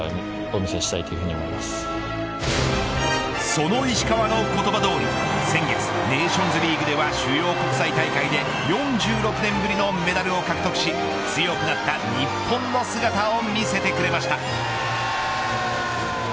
その石川の言葉どおり先月、ネーションズリーグでは主要国際大会で４６年ぶりのメダルを獲得し強くなった日本の姿を見せてくれました。